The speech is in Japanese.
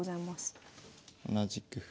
で同じく歩。